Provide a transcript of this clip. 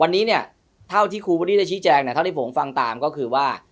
วันนี้เนี่ยเท่าที่ครูเวอรี่ได้ชี้แจงเนี่ยเท่าที่ผมฟังตามก็คือว่า